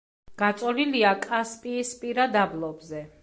გაწოლილია კასპიისპირა დაბლობზე.